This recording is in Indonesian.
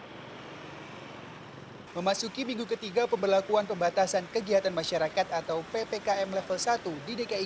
hai memasuki minggu ketiga pembelakuan pembatasan kegiatan masyarakat atau ppkm level satu di dki